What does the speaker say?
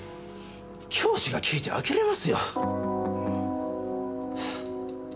教師が聞いて呆れますよ。